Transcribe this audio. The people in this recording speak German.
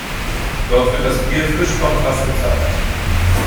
Dort wird das Bier frisch vom Fass gezapft.